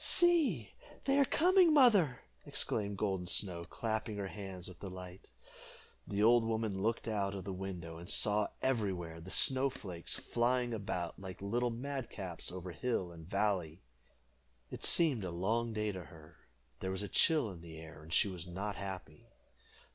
"See, they are coming, mother!" exclaimed Golden Snow, clapping her hands with delight. The old woman looked out of the window, and saw everywhere the snow flakes flying about, like little madcaps, over hill and valley. It seemed a long day to her; there was a chill in the air, and she was not happy.